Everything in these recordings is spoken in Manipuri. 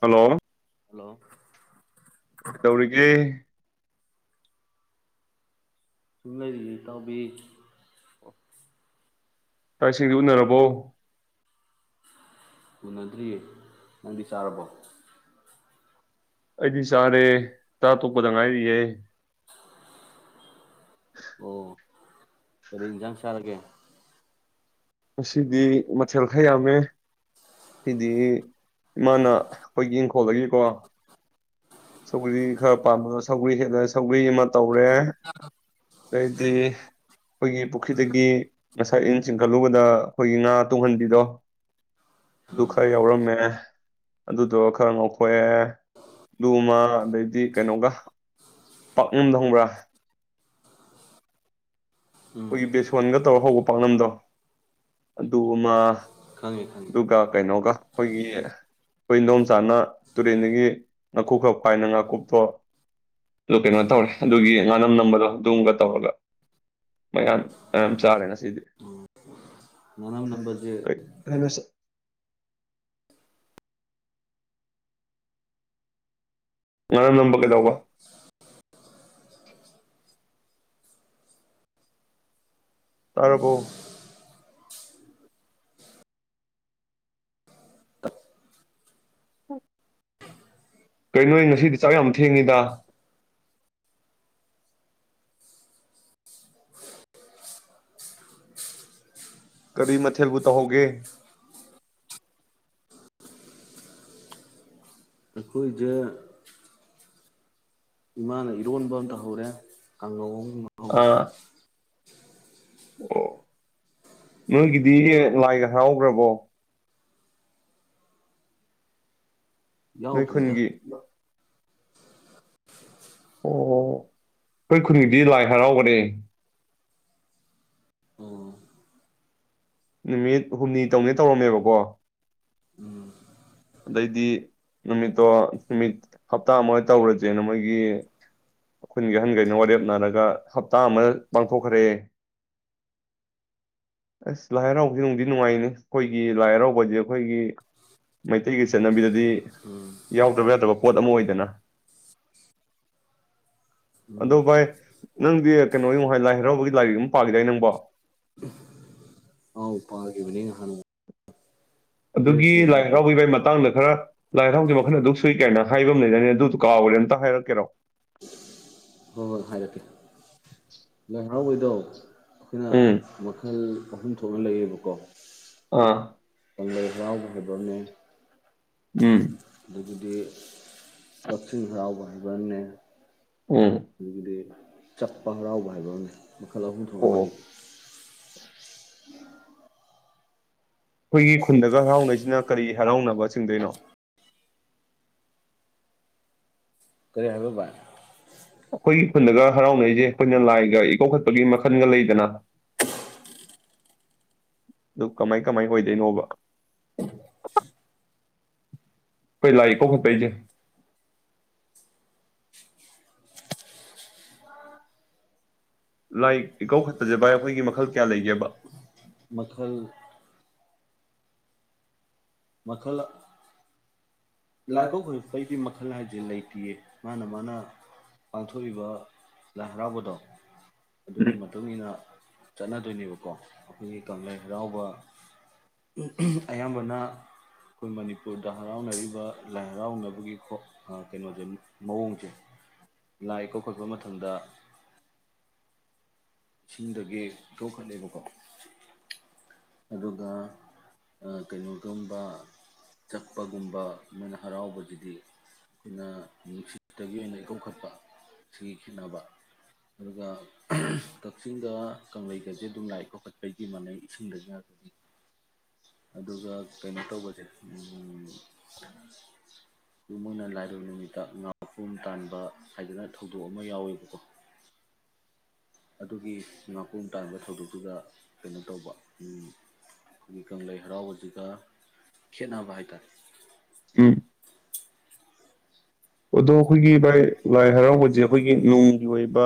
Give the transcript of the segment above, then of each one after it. ꯍꯜꯂꯣ ꯍꯜꯂꯣ ꯀꯩꯗꯧꯔꯤꯒꯦ ꯟꯅꯔꯤ ꯇꯕꯤ ꯇꯥꯏ ꯏꯁꯤꯡꯗꯤ ꯎꯅꯔꯕꯣ ꯎꯅꯗ꯭ꯔꯤꯌꯦ ꯅꯪꯗꯤ ꯆꯥꯔꯕꯣ ꯑꯩꯗꯤ ꯆꯥꯔꯦ ꯇꯥ ꯇꯣꯛꯄꯗ ꯉꯥꯏꯔꯤꯍꯦ [inaudible] ꯀꯔꯤꯖꯥꯡ ꯁꯥꯔꯒꯦ ꯉꯁꯤꯗꯤ ꯃꯊꯦꯜ ꯈꯔ ꯌꯥꯝꯃꯦ ꯉꯁꯤꯗꯤ ꯏꯃꯥꯅ ꯑꯈꯣꯏꯒꯤ ꯏꯪꯈꯣꯜꯗꯒꯤꯀꯣ ꯁꯧꯒ꯭ꯔꯤ ꯈꯔ ꯄꯥꯝꯕꯗꯣ ꯁꯒ꯭ꯔꯤ ꯍꯦꯛꯂꯦ ꯁꯒ꯭ꯔꯤ ꯑꯃ ꯇꯧꯔꯦ ꯑꯗꯩꯗꯤ ꯑꯩꯈꯣꯏꯒꯤ ꯄꯨꯈ꯭ꯔꯤꯗꯒꯤ ꯉꯁꯥꯏ ꯏꯟ ꯆꯤꯡꯈꯠꯂꯨꯕꯗ ꯑꯩꯈꯣꯏꯒꯤ ꯉꯥ ꯇꯨꯡꯍꯟꯕꯤꯗꯣ ꯑꯗꯨ ꯈꯔ ꯌꯥꯎꯔꯝꯃꯦ ꯑꯗꯨꯗꯣ ꯈꯔ ꯉꯥꯎꯊꯣꯛꯑꯦ ꯗꯨꯃ ꯑꯗꯩꯗꯤ ꯀꯩꯅꯣꯒ ꯄꯥꯛꯅꯝꯗꫭ ꯈꯪꯕ꯭ꯔꯥ ꯑꯩꯈꯣꯏꯒꯤ ꯕꯦꯁꯣꯟꯒ ꯇꯧꯔ ꯍꯧꯕ ꯄꯥꯛꯅꯝꯗꯣ ꯑꯗꯨ ꯑꯃ ꯈꯪꯉꯦ ꯈꯪꯉꯦ ꯑꯗꯨꯒ ꯀꯩꯅꯣꯒ ꯑꯩꯈꯣꯏꯒꯤ ꯑꯩꯈꯣꯏ ꯏꯟꯗꯣꯝ ꯆꯥꯅ ꯇꯨꯔꯦꯟꯗꯒꯤ ꯉꯥꯀꯨꯞ ꯈꯔ ꯐꯥꯏꯅ ꯉꯥꯀꯨꯞꯇꯣ ꯑꯗꯨ ꯀꯩꯅꯣ ꯇꯧꯔꯦ ꯑꯗꯨꯒꯤ ꯉꯥꯅꯝ ꯅꯝꯕꯗꯣ ꯑꯗꯨꯝꯒ ꯇꯧꯔꯒ ꯃꯌꯥꯝ ꯌꯥꯝ ꯆꯥꯔꯦ ꯉꯁꯤꯗꯤ ꯄꯥꯛ ꯅꯝꯕꯁꯦ ꯑꫭꯏꯍꯜꯂꯁꯦ ꯉꯥꯅꯝ ꯅꯝꯕ ꯀꯩꯗꯧꯕ ꯇꯥꯔꯕꯣ ꯎꯝ ꯀꯔꯤꯅꯣ ꯅꯣꯏ ꯉꯁꯤꯗꯤ ꯆꯥꯛ ꯌꯥꯝ ꯊꯦꯡꯉꯤꯗ ꯀꯔꯤ ꯃꯊꯦꯜꯕꯨ ꯇꯧꯍꯧꯒꯦ ꯑꯈꯣꯏꯗꯦ ꯏꯃꯥꯅ ꯏꯔꯣꯟꯕ ꯑꯃ ꯇꯧꯍꯧꯔꯦ ꯀꯥꯡꯉꯧ [inaudible] ꯑꯥ ꯑꯣ ꯅꯣꯏꯒꯤꯗꯤ ꯂꯥꯏꯒ ꯍꯔꯥꯎꯈ꯭ꯔꯕꯣ ꯅꯣꯏ ꯌꯥꯎꯗ꯭ꯔꯤꯗ ꯈꯨꯟꯒꯤ ꯑꯣ ꯑꯈꯣꯏ ꯈꯨꯟꯒꯤꯗꯤ ꯂꯥꯏ ꯍꯔꯥꯎꯈ꯭ꯔꯦ ꯑꯣ ꯅꯨꯃꯤꯠ ꯍꯨꯝꯅꯤ ꯇꯧꯅꯦ ꯇꯧꯔꯝꯃꯦꯕꯀꯣ ꯑꯗꯩꯗꯤ ꯅꯨꯃꯤꯠꯇꯣ ꯅꯨꯃꯤꯠ ꯍꯥꯞꯇꯥ ꯑꯃ ꯇꯧꯔꯁꯦꯅ ꯃꯣꯏꯒꯤ ꯈꯨꯟꯒꯤ ꯑꯍꯟꯈꯩꯅ ꯋꯥꯔꯦꯞꯅꯔꯒ ꯍꯥꯞꯇꯥ ꯑꯃ ꯄꯥꯡꯊꯣꯛꯈ꯭ꯔꯦ ꯑꯁ ꯂꯥꯏ ꯍꯔꯥꯎꯕꯁꯤ ꯅꯨꯡꯗꯤ ꯅꯨꯡꯉꯥꯏꯅꯤ ꯑꯈꯣꯏꯒꯤ ꯂꯥꯏ ꯍꯔꯥꯎꯕꯁꯤꯗꯤ ꯑꯈꯣꯏꯒꯤ ꯃꯩꯇꯩꯒꯤ ꯆꯠꯅꯕꯤꯗꯗꯤ ꯌꯥꯎꯗꯕ ꯌꯥꯗꯕ ꯄꯣꯠ ꯑꯃꯗꯤ ꯑꯣꯏꯗꯅ ꯑꯗꯣ ꯚꯥꯏ ꯅꯪꯗꯤ ꯀꯩꯅꯣꯒꯤ ꯂꯥꯏ ꯍꯔꯥꯎꯕꯒꯤ ꯂꯥꯏꯔꯤꯛ ꯑꯃ ꯄꯥꯒꯤꯗꯥꯏ ꯅꯪꯕꯣ ꯑꯧ ꯄꯥꯈꯤꯕꯅꯦ ꯅꯍꯥꯟꯃꯨꯛ ꯑꯗꯨꯒꯤ ꯂꯥꯏ ꯍꯔꯥꯎꯕꯒꯤ ꯚꯥꯏ ꯃꯇꯥꯡꯗ ꯈꯔ ꯂꯥꯏ ꯍꯔꯥꯎꯕꯁꯦ ꯃꯈꯜ ꯑꯗꯨꯛ ꯁꯨꯏ ꯀꯩꯅꯅꯣ ꯍꯥꯏꯕ ꯑꯃ ꯂꯩꯗꯥꯏꯅꯦ ꯑꯗꯨꯗꯨ ꯀꯥꯎꯈ꯭ꯔꯦ ꯑꯗꯨꯗꯨ ꯑꯃꯇ ꯍꯥꯏꯔꯛꯀꯦꯔꯣ ꯍꯣꯏ ꯍꯣꯏ ꯍꯥꯏꯔꯛꯀꯦ ꯍꯔꯥꯎꯕꯩꯗꯣ ꯑꯩꯈꫭꯅ ꯎꯝ ꯃꯈꯜ ꯑꯍꯨꯝ ꯊꯣꯛꯅ ꯊꯣꯛꯅ ꯂꯩꯌꯦꯕꯀꯣ ꯑꯥ ꯀꯪꯂꯩ ꯍꯔꯥꯎꯕ ꯍꯥꯏꯕ ꯑꯃꯅꯦ ꯎꯝ ꯗꯤ ꯀꯛꯆꯤꯡ ꯍꯔꯥꯎꯕ ꯍꯥꯏꯕ ꯑꯃꯅꯦ ꯎꯝ ꯍꯧꯒꯤꯗꯤ ꯆꯛꯄ ꯍꯔꯥꯎꯕ ꯍꯥꯏꯕ ꯑꯃꯅꯦ ꯃꯈꯜ ꯑꯍꯨꯝ ꯊꯣꯛꯅ ꯑꯣ ꯂꯩ ꯎꯝ ꯑꯩꯈꯣꯏꯒꯤ ꯈꯨꯟꯗꯒ ꯍꯔꯥꯎꯅꯩꯁꯤꯅ ꯀꯔꯤ ꯍꯔꯥꯎꯅꯕ ꯆꯤꯡꯗꯣꯏꯅꯣ ꯀꯔꯤ ꯍꯥꯏꯕ ꯚꯥꯏ ꯑꯩꯈꯣꯏꯒꯤ ꯈꯨꯟꯗꯒ ꯍꯔꯥꯎꯅꯔꯤꯁꯦ ꯑꯩꯈꯣꯏꯅ ꯂꯥꯏꯒ ꯏꯀꯣꯛꯈꯠꯄꯒꯤ ꯃꯈꯜꯒ ꯂꯩꯗꯅ ꯑꯗꯨ ꯀꯃꯥꯏ ꯀꯃꯥꯏ ꯑꯣꯏꯗꯣꯏꯅꯣꯕ ꯈꯣꯏ ꯂꯥꯏ ꯏꯀꯧꯈꯠꯄꯩꯁꯦ ꯂꯥꯏ ꯏꯀꯧꯈꯠꯄꯩꯁꯦ ꯚꯥꯏ ꯑꯩꯈꯣꯏꯒꯤ ꯃꯈꯜ ꯀꯌꯥ ꯂꯩꯒꯦꯕ ꯃꯈꯜ ꯃꯈꯜ ꯂꯥꯏ ꯏꯀꯧꯈꯠꯄꯩꯗꯤ ꯃꯈꯜ ꯍꯥꯏ ꯂꯩꯇꯦꯌꯦ ꯃꯥꯅ ꯃꯥꯅ ꯄꯥꯡꯊꯣꯛꯏꯕ ꯂꯥꯏ ꯍꯔꯥꯎꯕꯗꯣ ꯑꯗꯨꯒꯤ ꯃꯇꯨꯡꯏꯟꯅ ꯆꯠꯅꯗꯣꯏꯅꯦꯕꯀꯣ ꯀꯣ ꯑꯩꯈꯣꯏꯒꯤ ꯀꯪꯂꯩ ꯍꯔꯥꯎꯕ ꯑꯌꯥꯝꯕꯅ ꯑꯩꯈꯣꯏ ꯃꯅꯤꯄꯨꯔꯗ ꯍꯔꯥꯎꯅꯔꯤꯕ ꯂꯥꯏ ꯍꯔꯥꯎꯅꯕꯒꯤ ꯀꯩꯅꯣꯁꯦ ꯃꯑꯣꯡꯁꯦ ꯂꯥꯏ ꯏꯀꯧꯈꯠꯄ ꯃꯇꯝꯗ ꯏꯁꯤꯡꯗꯒꯤ ꯏꯀꯧꯈꯠꯂꯦꯕꯀꯣ ꯑꯗꯨꯒ ꯀꯩꯅꯣꯒꯨꯝꯕ ꯆꯛꯄꯒꯨꯝꯕ ꯃꯣꯏꯅ ꯍꯔꯥꯎꯕꯕꯁꯤꯗꯤ ꯑꯩꯈꯣꯏꯅ ꯅꯨꯡꯁꯤꯠꯇꯒꯤ ꯑꯣꯏꯅ ꯏꯀꯣꯛꯈꯠꯄ ꯁꯤꯒꯤ ꯈꯦꯠꯅꯕ ꯑꯗꯨꯒ ꯀꯛꯆꯤꯡꯗ ꯀꯪꯂꯩꯒꯁꯦ ꯑꯗꯨꯝ ꯂꯥꯏ ꯏꯀꯧꯈꯠꯄꯩꯗꯤ ꯃꯥꯟꯅꯩ ꯏꯁꯤꯡꯗ ꯉꯥꯛꯇꯅꯤ ꯑꯗꯨꯒ ꯀꯩꯅꯣ ꯇꯧꯕꯁꯦ ꯃꯣꯏꯅ ꯂꯥꯏꯔꯕ ꯅꯨꯃꯤꯠꯇ ꯉꯥꯐ꯭ꯔꯨꯝ ꯇꯥꯟꯕ ꯍꯥꯏꯗꯅ ꯊꯧꯗꯣꯛ ꯑꯃ ꯌꯥꯎꯋꯦꯕꯀꯣ ꯑꯗꯨꯒꯤ ꯉꯥꯐ꯭ꯔꯨꯝ ꯇꯥꯟꯕ ꯊꯧꯗꯣꯛꯇꯨꯗ ꯀꯩꯅꯣ ꯇꯧꯕ ꯑꯩꯈꯣꯏꯒꯤ ꯀꯪꯂꯩ ꯍꯔꯥꯎꯕꯁꯤꯒ ꯈꯦꯟꯅꯕ ꯍꯥꯏ ꯇꯥꯔꯦ ꯎꯝ ꯑꯗꯣ ꯑꯩꯈꯣꯏꯒꯤ ꯚꯥꯏ ꯂꯥꯏ ꯍꯔꯥꯎꯕꯁꯦ ꯑꯩꯈꯣꯏꯒꯤ ꯅꯨꯡꯒꯤ ꯑꯣꯏꯕ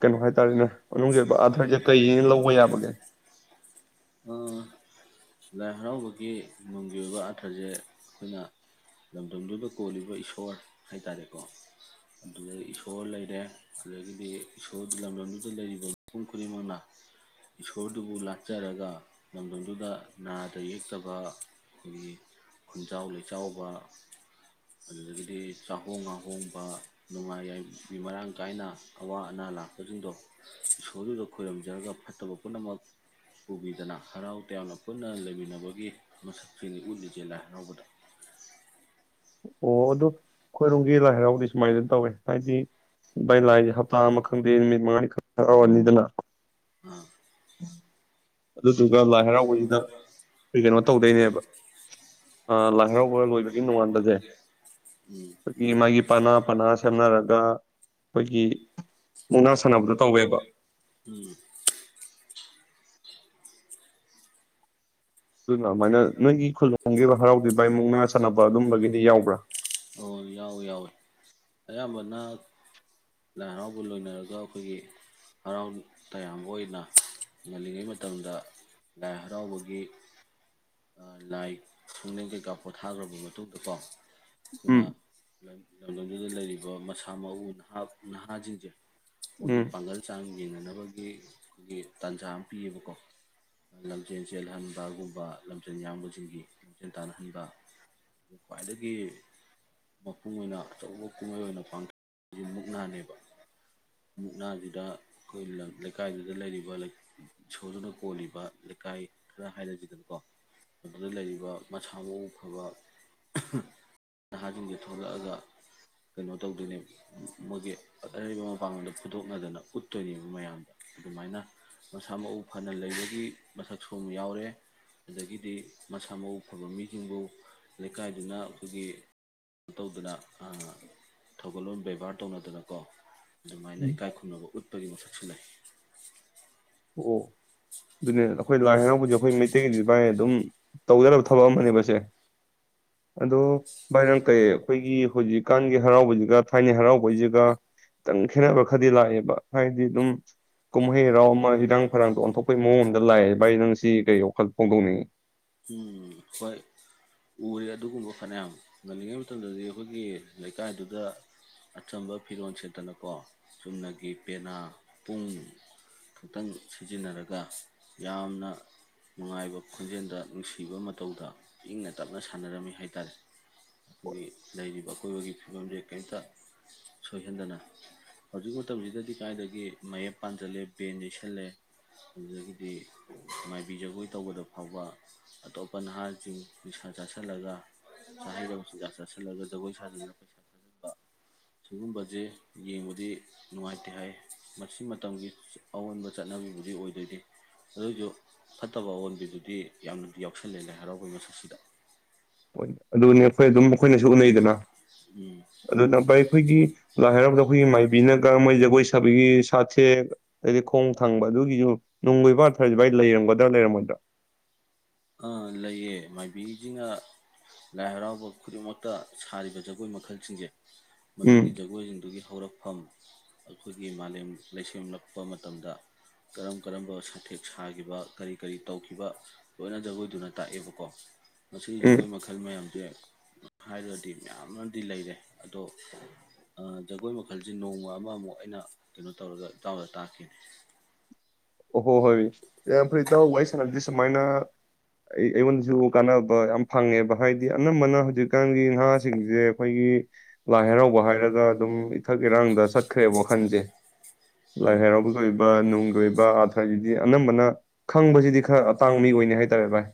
ꯀꯩꯅꯣ ꯍꯥꯏ ꯇꯥꯔꯦꯅꯦ ꯃꯅꯨꯡꯒꯤ ꯑꯣꯏꯕ ꯑꯥꯔꯊꯁꯦ ꯀꯩꯅꯦꯅ ꯂꯧꯕ ꯌꯥꯕꯒꯦ ꯂꯥꯏ ꯍꯔꯥꯎꯕꯒꯤ ꯅꯨꯡꯒꯤ ꯑꯣꯏꯕ ꯑꯥꯔꯊꯁꯦ ꯑꯩꯈꯣꯏꯅ ꯂꯝꯗꯝꯗꯨꯗ ꯀꯣꯜꯂꯤꯕ ꯏꯁꯣꯔ ꯍꯥꯏꯇꯥꯔꯦꯀꯣ ꯑꯗꯨꯗꯒꯤ ꯏꯁꯣꯔ ꯂꯩꯔꯦ ꯑꯗꯨꯗꯒꯤꯗꯤ ꯏꯁꯣꯔ ꯂꯝꯗꯝꯗꯨꯗ ꯂꯩꯔꯤꯕ ꯃꯤꯄꯨꯝ ꯈꯨꯗꯤꯡꯃꯛꯅ ꯏꯁꯣꯔꯗꯨꯕꯨ ꯂꯥꯠꯆꯔꯒ ꯂꯝꯗꯝꯗꯨꯗ ꯅꯥꯗ ꯌꯦꯛꯇꯕ ꯑꯩꯈꯣꯏꯒꯤ ꯈꯨꯟꯖꯥꯎ ꯂꯩꯆꯥꯎꯕ ꯑꯗꯨꯗꯒꯤꯗꯤ ꯆꯥꯍꯣꯡ ꯉꯥꯍꯣꯡꯕ ꯅꯨꯡꯉꯥꯏ ꯌꯥꯏꯕꯤ ꯃꯔꯥꯡ ꯀꯥꯏꯅ ꯑꯋꯥ ꯑꯅꯥ ꯂꯥꯛꯄꯁꯤꯡꯗꯣ ꯏꯁꯣꯔꯗꯨꯗ ꯈꯣꯏꯔꯨꯝꯖꯔꯒ ꯐꯠꯇꯕ ꯄꯨꯝꯅꯃꯛ ꯄꯨꯕꯤꯗꯅ ꯍꯔꯥꯎ ꯇꯌꯥꯝꯅ ꯄꯨꯟꯅ ꯂꯩꯃꯤꯟꯅꯕꯒꯤ ꯃꯁꯛꯇꯨꯅꯤ ꯎꯠꯂꯤꯁꯦ ꯂꯥꯏ ꯍꯔꯥꯎꯕꯗ ꯑꯣ ꯑꯗꯨ ꯈꯣꯏꯔꯨꯝ ꯑꯩ ꯂꯥꯏ ꯍꯔꯥꯎꯗꯤ ꯁꯨꯃꯥꯏꯅ ꯇꯧꯋꯦ ꯍꯥꯏꯗꯤ ꯚꯥꯏ ꯂꯥꯏ ꯍꯥꯞꯇꯥ ꯑꯃ ꯈꯪꯗꯦ ꯅꯨꯃꯤꯠ ꯃꯉꯥꯅꯤ ꯈꯪꯗꯦ ꯍꯔꯥꯎꯔꯅꯤꯗꯅ ꯑ ꯑꯗꯨꯗꯨꯒ ꯂꯥꯏ ꯍꯔꯥꯎꯕꯁꯤꯗ ꯑꯩꯈꯣꯏ ꯀꯩꯅꯣ ꯇꯧꯗꯣꯏꯅꯦꯕ ꯂꯥꯏ ꯍꯔꯥꯎꯕ ꯂꯣꯏꯕꯒꯤ ꯅꯣꯡꯉꯥꯟꯕꯁꯦ ꯎꯝ ꯑꯩꯈꯣꯏꯒꯤ ꯃꯥꯒꯤ ꯄꯅꯥ ꯄꯅꯥ ꯁꯦꯝꯅꯔꯒ ꯑꯩꯈꯣꯏꯒꯤ ꯃꯨꯛꯅꯥ ꯁꯥꯟꯅꯕꯗꯣ ꯇꯧꯋꯦꯕ ꯎꯝ ꯑꯗꯨꯅ ꯑꯗꯨꯃꯥꯏꯅ ꯅꯪꯒꯤ ꯈꯨꯟꯂꯣꯝꯒꯤ ꯍꯔꯥꯎꯕꯗꯤ ꯚꯥꯏ ꯃꯨꯛꯅꯥ ꯁꯥꯟꯅꯕ ꯑꯗꯨꯝꯕꯒꯤꯗꯤ ꯌꯥꯎꯕ꯭ꯔꯥ ꯑꯣ ꯌꯥꯎꯏ ꯌꯥꯎꯏ ꯑꯌꯥꯝꯕꯅ ꯂꯥꯏ ꯍꯔꯥꯎꯕ ꯂꯣꯏꯅꯔꯒ ꯑꯩꯈꯣꯏꯒꯤ ꯍꯔꯥꯎ ꯇꯌꯥꯝꯕ ꯑꯣꯏꯅ ꯉꯜꯂꯤꯉꯩ ꯃꯇꯝꯗ ꯂꯥꯏ ꯍꯔꯥꯎꯕꯒꯤ ꯂꯥꯏ ꯁꯨꯡꯂꯦꯟ ꯀꯩꯀꯥ ꯄꯣꯊꯥꯈ꯭ꯔꯕ ꯃꯇꯨꯡꯗꯀꯣ ꯑꯩꯈꯣꯏꯅ ꯎꯝ ꯂꯝꯗꯝꯗꯨꯗ ꯂꯩꯔꯤꯕ ꯃꯁꯥ ꯃꯎ ꯅꯍꯥ ꯅꯍꯥꯁꯤꯡꯁꯦ ꯃꯣꯏꯒꯤ ꯎꯝ ꯄꯥꯡꯒꯜ ꯍꯛꯆꯥꯡ ꯌꯦꯡꯅꯅꯕꯒꯤ ꯑꯩꯈꯣꯏꯒꯤ ꯇꯥꯟꯖꯥ ꯑꯃ ꯄꯤꯌꯦꯕꯀꯣ ꯂꯝꯖꯦꯜ ꯆꯦꯜꯍꯟꯕꯒꯨꯝꯕ ꯂꯝꯖꯦꯜ ꯌꯥꯡꯕꯁꯤꯡꯒꯤ ꯂꯝꯖꯦꯜ ꯇꯥꯟꯅꯍꯟꯕ ꯈ꯭ꯋꯥꯏꯗꯒꯤ ꯃꯄꯨꯡ ꯑꯣꯏꯅ ꯑꯆꯧꯕ ꯀꯨꯝꯍꯩ ꯑꯣꯏꯅ ꯄꯥꯡꯊꯣꯛꯁꯤ ꯃꯨꯛꯅꯥꯅꯦꯕ ꯃꯨꯛꯅꯥꯁꯤꯗ ꯑꯩꯈꯣꯏ ꯂꯩꯀꯥꯏꯗꯨꯗ ꯂꯩꯔꯤꯕ ꯏꯁꯣꯔꯗꯨꯅ ꯀꯣꯜꯂꯤꯕ ꯂꯩꯀꯥꯏ ꯈꯔ ꯍꯥꯏꯔꯁꯤꯗꯅꯀꯣ ꯃꯗꯨꯗ ꯂꯩꯔꯤꯕ ꯃꯁꯥ ꯃꯎ ꯐꯕ ꯅꯍꯥꯁꯤꯡꯁꯦ ꯊꯣꯛꯂꯛꯑꯒ ꯀꯩꯅꯣ ꯇꯧꯗꯣꯏꯅꯦ ꯃꯣꯏꯒꯤ ꯑꯔꯩꯕ ꯃꯄꯥꯡꯒꯜꯗ ꯐꯨꯗꯣꯛꯅꯗꯅ ꯎꯠꯇꯣꯏꯅꯦꯕ ꯃꯌꯥꯝꯗ ꯑꯗꯨꯃꯥꯏꯅ ꯃꯁꯥ ꯃꯎ ꯐꯅ ꯂꯩꯕꯒꯤ ꯃꯁꯛꯁꯨꯕ ꯌꯥꯎꯔꯦ ꯑꯗꯒꯤꯗꯤ ꯃꯁꯥ ꯃꯎ ꯐꯕ ꯃꯤꯁꯤꯡꯕꯨ ꯂꯩꯀꯥꯏꯗꯨꯅ ꯑꯗꯨꯒꯤ ꯇꯧꯗꯅ ꯊꯧꯒꯜꯂꯣꯟ ꯕꯦꯚꯥꯔ ꯇꯧꯅꯗꯅꯀꯣ ꯑꯗꯨꯃꯥꯏꯅ ꯎꯝ ꯏꯀꯥꯏ ꯈꯨꯝꯅꯕ ꯎꯠꯄꯒꯤ ꯃꯁꯛꯁꯨ ꯂꯩ ꯑꯣ ꯑꯗꯨꯅꯦ ꯑꯩꯈꯣꯏ ꯂꯥꯏ ꯍꯔꯥꯎꯕꯁꯦ ꯑꯩꯈꯣꯏ ꯃꯩꯇꯩꯒꯤꯗꯤ ꯃꯥꯥꯏ ꯑꯗꯨꯝ ꯇꯧꯗ ꯌꯥꯗꯕ ꯊꯕꯛ ꯑꯃꯅꯦꯕꯁꯦ ꯑꯗꯣ ꯚꯥꯏ ꯅꯪ ꯀꯩ ꯑꯩꯈꯣꯏꯒꯤ ꯍꯧꯖꯤꯛꯀꯥꯟꯒꯤ ꯍꯔꯥꯎꯕꯁꯤꯒ ꯊꯥꯏꯅꯩ ꯍꯔꯥꯎꯕꯩꯁꯤꯒ ꯈꯤꯇꯪ ꯈꯦꯠꯅꯕ ꯈꯔꯗꯤ ꯂꯥꯛꯑꯦꯕ ꯍꯥꯏꯗꯤ ꯑꯗꯨꯝ ꯀꯨꯝꯍꯩ ꯍꯔꯥꯎ ꯏꯔꯥꯡ ꯐꯔꯥꯡꯗ ꯑꯣꯟꯊꯣꯛꯄꯩ ꯃꯑꯣꯡ ꯑꯃꯗ ꯂꯥꯛꯏ ꯚꯥꯏ ꯅꯪ ꯉꯁꯤ ꯀꯩ ꯋꯥꯈꯜ ꯐꯣꯡꯗꯣꯛꯅꯤꯡꯏ ꯎꯝ ꯍꯣꯏ ꯎꯔꯦ ꯑꯗꯨꯒꯨꯝꯕ ꯐꯅꯌꯥꯝ ꯉꯜꯂꯤꯉꯩ ꯃꯇꯝꯗꯗꯤ ꯑꯩꯈꯣꯏꯒꯤ ꯂꯩꯀꯥꯏꯗꯨꯗ ꯑꯆꯝꯕ ꯐꯤꯔꯣꯜ ꯁꯦꯠꯇꯅꯀꯣ ꯆꯨꯝꯅꯒꯤ ꯄꯦꯅꯥ ꯄꯨꯡ ꯈꯛꯇꯪ ꯁꯤꯖꯤꯟꯅꯔꯒ ꯌꯥꯝꯅ ꯅꯨꯡꯉꯥꯏꯕ ꯈꯣꯟꯖꯦꯜꯗ ꯅꯨꯡꯁꯤꯕ ꯃꯇꯧꯗ ꯏꯪꯅ ꯇꯞꯅ ꯁꯥꯟꯅꯔꯝꯃꯤ ꯍꯥꯏꯇꯥꯔꯦ ꯑꯩꯈꯣꯏꯒꯤ ꯂꯩꯔꯤꯕ ꯑꯀꯣꯏꯕꯒꯤ ꯐꯤꯕꯝꯁꯦ ꯀꯩꯝꯇ ꯁꯣꯏꯍꯟꯗꯅ ꯍꯧꯖꯤꯛ ꯃꯇꯝꯁꯤꯗꯗꯤ ꯀꯥꯏꯗꯒꯤ ꯃꯌꯦꯞ ꯄꯥꯟꯁꯤꯜꯂꯦ ꯕꯦꯟ ꯌꯩꯁꯜꯂꯦ ꯑꯗꯨꯗꯒꯤꯗꯤ ꯃꯥꯏꯕꯤ ꯖꯒꯣꯏ ꯇꯧꯕꯗ ꯐꯥꯎꯕ ꯑꯇꯣꯞꯄ ꯅꯍꯥꯁꯤꯡ ꯅꯤꯁꯥ ꯆꯥꯁꯤꯜꯂꯒ ꯆꯥꯍꯩꯗꯕ ꯆꯤꯡꯖꯥꯛ ꯆꯥꯁꯤꯜꯂꯒ ꯖꯒꯣꯏ ꯁꯥꯖꯤꯜꯂꯒ ꯄꯩꯁꯥ ꯊꯥꯖꯟꯕ ꯁꯤꯒꯨꯝꯕꯁꯦ ꯌꯦꯡꯕꯗꯤ ꯅꯨꯡꯉꯥꯏꯇꯦ ꯍꯥꯏ ꯃꯁꯤ ꯃꯇꯝꯒꯤ ꯑꯑꯣꯟꯕ ꯆꯠꯅꯕꯤꯕꯨꯗꯤ ꯑꯣꯏꯗꯣꯏꯅꯤ ꯑꯗꯨꯑꯣꯏꯁꯨ ꯐꯠꯇꯕ ꯑꯑꯣꯟꯕꯤꯗꯨꯗꯤ ꯌꯥꯝꯅ ꯌꯥꯎꯁꯜꯂꯦ ꯅꯦ ꯍꯔꯥꯎꯕꯩ ꯃꯁꯛꯁꯤꯗ ꯑꯗꯨꯅꯤ ꯑꯩꯈꯣꯏ ꯑꯗꯨꯝ ꯑꯩꯈꯣꯏꯅꯁꯨ ꯎꯅꯩꯗꯅ ꯎꯝ ꯑꯗꯨꯅ ꯑꯩꯈꯣꯏꯒꯤ ꯂꯥꯏ ꯍꯔꯥꯎꯕꯗ ꯑꯩꯈꯣꯏꯒꯤ ꯃꯥꯏꯕꯤꯅꯒ ꯃꯣꯏ ꯖꯒꯣꯏ ꯁꯥꯕꯤꯒꯤ ꯁꯥꯊꯦꯛ ꯑꯩ ꯈꯣꯡ ꯊꯪꯕ ꯑꯗꯨꯒꯤꯁꯨ ꯅꯅꯨꯡꯃ ꯏꯕꯥ ꯐꯔꯁꯨ ꯚꯥꯏ ꯂꯩꯔꯝꯒꯗ꯭ꯔꯥ ꯃꯣꯏꯗ ꯑꯥ ꯂꯩꯌꯦ ꯃꯥꯏꯕꯤꯁꯤꯡꯅ ꯂꯥꯏ ꯍꯔꯥꯎꯕ ꯈꯨꯗꯤꯡꯃꯛ ꯇ ꯁꯥꯔꯤꯕ ꯖꯒꯣꯏ ꯃꯈꯜꯁꯤꯡꯁꯦ ꯎꯝ ꯃꯗꯨꯒꯤ ꯖꯒꯣꯏꯁꯤꯡꯗꯨꯒꯤ ꯍꯧꯔꯛꯐꯝ ꯑꯩꯈꯣꯏꯒꯤ ꯃꯥꯂꯦꯝ ꯂꯩꯁꯦꯝꯂꯛꯄ ꯃꯇꯝꯗ ꯀꯔꯝ ꯀꯔꯝꯕ ꯁꯥꯊꯦꯛ ꯁꯥꯈꯤꯕ ꯀꯔꯤ ꯀꯔꯤ ꯇꯧꯈꯤꯕ ꯂꯣꯏꯅ ꯖꯒꯣꯏꯗꯨꯅ ꯇꯥꯛꯑꯦꯕꯀꯣ ꯃꯁꯤ ꯎꯝ ꯖꯒꯣꯏ ꯃꯈꯜ ꯃꯌꯥꯝꯁꯦ ꯍꯥꯏꯔꯒꯗꯤ ꯃꯌꯥꯝꯃꯗꯤ ꯂꯩꯔꯦ ꯑꯗꯣ ꯖꯒꯣꯏ ꯃꯈꯜꯁꯦ ꯅꯣꯡꯃ ꯑꯃꯃꯨꯛ ꯑꯩꯅ ꯀꯩꯅꯣ ꯇꯧꯔꯒ ꯏꯇꯥꯎꯗ ꯇꯥꯛꯀꯦ ꯑꯣ ꯍꯣ ꯍꯣꯏ ꯌꯥꯝ ꯐꯩ ꯏꯇꯥꯎ ꯋꯥꯔꯤ ꯁꯥꯅꯕꯁꯦ ꯁꯨꯃꯥꯏꯅ ꯑꯩꯉꯣꯟꯗꯁꯨ ꯀꯥꯅꯕ ꯌꯥꯝ ꯐꯪꯉꯦꯕ ꯍꯥꯏꯗꯤ ꯑꯅꯝꯕꯅ ꯍꯧꯖꯤꯛꯀꯥꯟꯒꯤ ꯅꯍꯥꯁꯤꯡꯁꯦ ꯑꯩꯈꯣꯏꯒꯤ ꯂꯥꯏ ꯍꯔꯥꯎꯕ ꯍꯥꯏꯔꯒ ꯑꯗꯨꯝ ꯏꯊꯛ ꯏꯔꯥꯡꯗ ꯆꯠꯈ꯭ꯔꯦꯕ ꯋꯥꯈꯜꯁꯦ ꯂꯥꯏ ꯍꯔꯥꯎꯕꯒꯤ ꯑꯣꯏꯕ ꯅꯨꯡꯒꯤ ꯑꯣꯏꯕ ꯍꯥꯏꯗꯤ ꯑꯅꯝꯕꯅ ꯈꯪꯕꯁꯤꯗꯤ ꯈꯔ ꯑꯇꯥꯡꯕ ꯃꯤ ꯑꯣꯏꯅꯅꯤ ꯍꯥꯏꯇꯥꯔꯦ ꯚꯥꯏ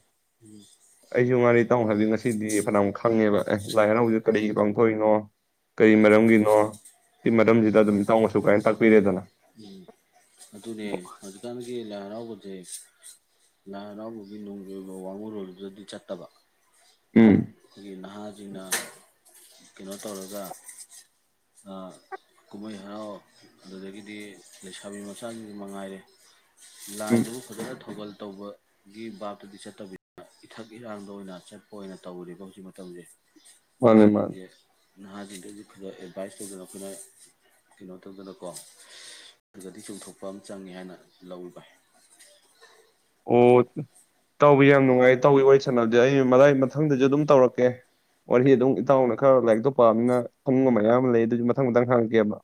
ꯑꯩꯁꯨ ꯉꯥꯔꯤ ꯇꯥꯃꯣ ꯍꯥꯏꯕꯗꯤ ꯉꯁꯤꯗꯤ ꯐꯅꯝꯨꯛ ꯈꯪꯉꯦꯕ ꯑꯦ ꯂꯥꯏ ꯍꯔꯥꯎꯖꯤꯗ ꯀꯔꯤ ꯄꯥꯡꯊꯣꯛꯏꯅꯣ ꯀꯔꯤ ꯃꯔꯝꯒꯤꯅꯣ ꯁꯤ ꯃꯔꯝꯁꯤꯗ ꯑꯗꯨꯝ ꯏꯇꯥꯎꯅꯁꯨ ꯀꯥꯏꯅ ꯇꯥꯛꯄꯤꯔꯦꯗꯅ [unintelligible] ꯍꯧꯖꯤꯀꯥꯟꯒꯤ ꯂꯥꯏ ꯍꯔꯥꯎꯕꯗ ꯂꯥꯏ ꯍꯔꯥꯎꯕꯒꯤ ꯅꯨꯡꯒꯤ ꯑꯣꯏꯕ ꯋꯥꯡꯉꯨꯣꯏꯕꯗꯗꯤ ꯆꯠꯇꯕ ꯎꯝ ꯅꯍꯥ ꯅ ꯀꯩꯅꯣ ꯇꯧꯔꯒ ꯀꯨꯝꯍꯩ ꯍꯔꯥꯎ ꯑꯗꯨꯗꯒꯤꯗꯤ ꯂꯩꯁꯥꯕꯤ ꯃꯆꯥꯁꯤꯡꯁꯨ ꯃꯉꯥꯏꯔꯦ ꯎꯝ ꯂꯥꯏꯗꯨ ꯐꯖꯅ ꯊꯧꯒꯜ ꯇꯧꯕꯒꯤ ꯕꯥꯞꯇꯨꯗꯤ ꯆꯠꯇꯕꯤꯅꯤꯅ ꯏꯊꯛ ꯏꯔꯥꯡꯗ ꯑꯣꯏꯅ ꯆꯠ ꯑꯣꯏꯅ ꯇꯧꯔꯦꯕ ꯍꯧꯖꯤꯛ ꯃꯇꯝꯁꯦ ꯃꯥꯅꯦ ꯃꯥꯅꯦ [unintelligible] ꯅꯍꯥꯁꯤꯡꯗꯩꯁꯨ ꯈꯔ ꯑꯦꯗꯚꯥꯏꯁ ꯇꯧꯗꯅ ꯑꯩꯈꯣꯏꯅ ꯀꯩꯅꯣ ꯇꯧꯗꯅꯀꯣ ꯈꯗꯗꯤ ꯆꯣꯡꯊꯣꯛꯄ ꯑꯃ ꯆꯪꯉꯦ ꯍꯥꯏꯅ ꯂꯧꯔꯤꯕ ꯑꯣ ꯏꯇꯥꯎꯕꯤ ꯌꯥꯝ ꯅꯨꯡꯉꯥꯏ ꯏꯇꯥꯎꯕꯤ ꯋꯥꯔꯤ ꯁꯥꯟꯅꯕꯁꯦ ꯑꯩ ꯃꯏ ꯃꯊꯪꯗꯁꯨ ꯑꯗꯨꯝ ꯇꯧꯔꯛꯀꯦ ꯋꯥꯔꯤ ꯑꯗꯨꯝ ꯏꯇꯥꯎꯅ ꯈꯔ ꯂꯥꯏꯔꯤꯛꯇꯣ ꯄꯥꯝꯃꯤꯅ ꯈꯨꯡꯕ ꯃꯌꯥꯝ ꯂꯩ ꯑꯗꯨꯁꯨ ꯃꯊꯪ ꯃꯊꯪ ꯍꯪꯉꯛꯀꯦꯕ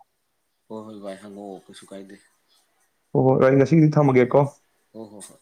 ꯍꯣꯏ ꯍꯣꯏ ꯚꯥꯏ ꯍꯪꯉꯛꯑꯣ ꯀꯩꯁꯨ ꯀꯥꯏꯗꯦ ꯑꯣ ꯍꯣꯏ ꯑꯩ ꯉꯁꯤꯗꯤ ꯊꯝꯃꯒꯦꯀꯣ ꯍꯣꯏ ꯍꯣꯏ ꯍꯣꯏ